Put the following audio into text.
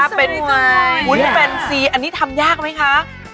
อันนี้ทำยากไหมคะ